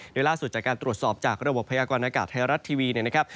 โดยล่าสุดจากการตรวจสอบจากระบบพยากรณากาศไทยรัฐทีวีเนี่ยนะครับ